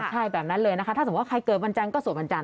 ใช่แบบนั้นเลยนะคะถ้าสมมุติว่าใครเกิดวันจันทร์ก็สวดวันจันท